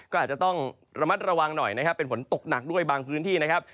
ก็อาจจะต้องระมัดระวังหน่อยนะครับเป็นฝนตกหนักด้วยบางพื้นที่นะครับ